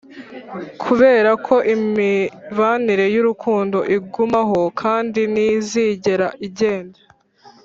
kuberako imibanire y'urukundo igumaho kandi ntizigera igenda,